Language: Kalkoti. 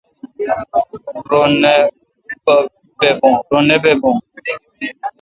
رو نہ بابھو۔